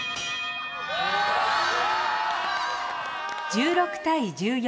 １６対１４。